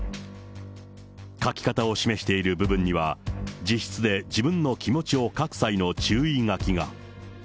書き方を示している部分には、自筆で自分の気持ちを書く際の注意書きが。